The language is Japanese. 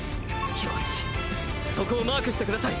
よしそこをマークしてください。